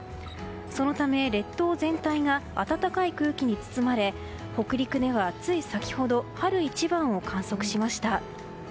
そのため、列島全体が暖かい空気に包まれ北陸ではつい先ほど春一番を観測しました。